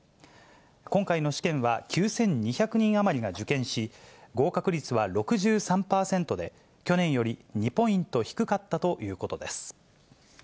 今回の試験は９２００人余りが受験し、合格率は６３％で、去年より２ポイント低かったということです。